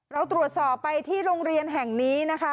เราตรวจสอบไปที่โรงเรียนแห่งนี้นะคะ